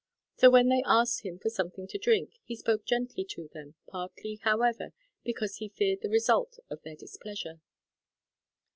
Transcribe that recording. So, when they asked him for something to drink, he spoke gently to them, partly, however, because he feared the result of their displeasure.